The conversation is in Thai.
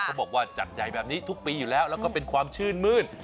เขาบอกว่าจัดใหญ่แบบนี้ทุกปีอยู่แล้วแล้วก็เป็นความชื่นมื้น